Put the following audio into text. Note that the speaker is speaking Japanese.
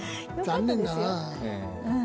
残念だな。